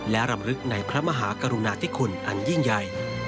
และรำลึกในพระมหากรุณาธิคุณอันยิ่งใหญ่